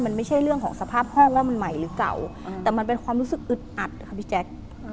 มันไม่ใช่เรื่องของสภาพห้องแล้วมันใหม่หรือเก่าแต่มันเป็นความรู้สึกอึดอัดค่ะพี่แจ๊ค